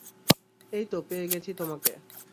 এই তো পেয়ে গেছি তোমাকে।